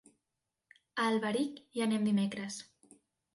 A Alberic hi anem dimecres.